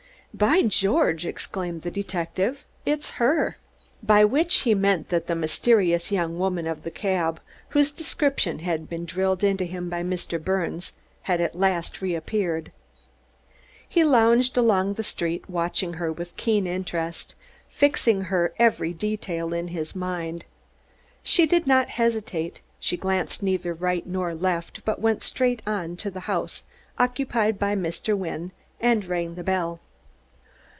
"By George!" exclaimed the detective. "It's her!" By which he meant that the mysterious young woman of the cab, whose description had been drilled into him by Mr. Birnes, had at last reappeared. He lounged along the street, watching her with keen interest, fixing her every detail in his mind. She did not hesitate, she glanced neither to right nor left, but went straight to the house occupied by Mr. Wynne, and rang the bell.